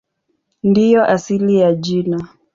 Ndiyo asili ya jina.